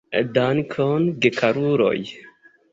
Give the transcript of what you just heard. Dankon, gekaruloj.